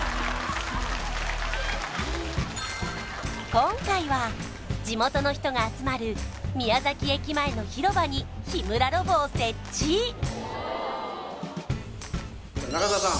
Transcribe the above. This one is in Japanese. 今回は地元の人が集まる宮崎駅前の広場に日村ロボを設置中澤さん